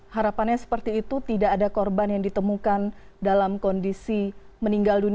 harapannya seperti itu tidak ada korban yang ditemukan dalam kondisi meninggal dunia